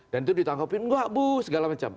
dan itu ditangkapin gak bu segala macam